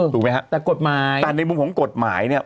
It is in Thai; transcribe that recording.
ถูกไหมฮะแต่ในมุมของกฎหมายเนี่ย